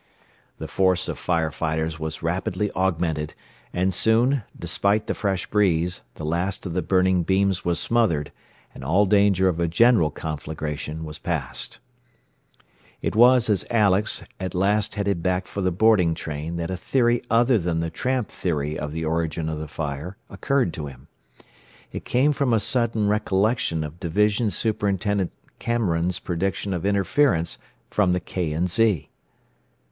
The force of fire fighters was rapidly augmented, and soon, despite the fresh breeze, the last of the burning beams were smothered, and all danger of a general conflagration was past. It was as Alex at last headed back for the boarding train that a theory other than the tramp theory of the origin of the fire occurred to him. It came from a sudden recollection of Division Superintendent Cameron's prediction of interference from the K. & Z.